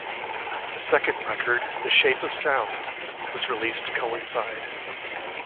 A second record "The Shape of Sound" was released to coincide.